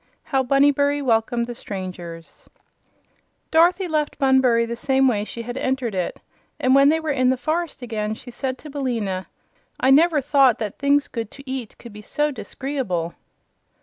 How Bunnybury Welcomed the Strangers Dorothy left Bunbury the same way she had entered it and when they were in the forest again she said to Billina: "I never thought that things good to eat could be so dis'gree'ble."